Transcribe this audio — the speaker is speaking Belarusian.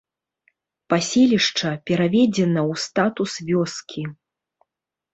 Паселішча пераведзена ў статус вёскі.